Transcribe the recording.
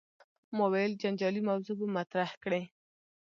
ما ویل جنجالي موضوع به مطرح کړې.